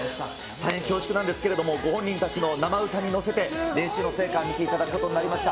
大変恐縮なんですけど、ご本人たちの生歌に乗せて、練習の成果見ていただくことになりました。